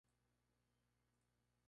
Dibujado y Grabado por Fco.